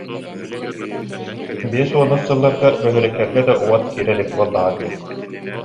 Биэс уонус сылларга бөһүөлэктэргэ да уот киирэ илик буоллаҕа дии